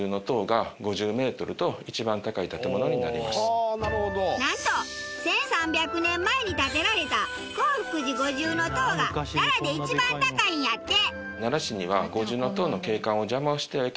そもそもなんと１３００年前に建てられた興福寺五重塔が奈良で一番高いんやって。